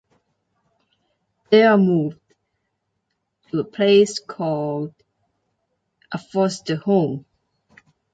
They are moved to a place called a foster home.